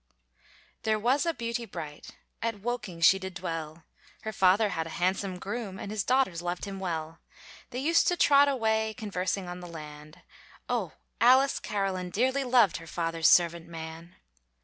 There was a beauty bright, At Woking she did dwell, Her father had a handsome groom, And his daughters loved him well. They used to trot away, Conversing on the land, Oh! Alice Caroline dearly loved Her father's servant man.